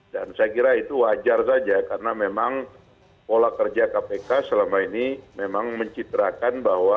dan saya kira itu wajar saja karena memang pola kerja kpk selama ini memang mencitrakan bahwa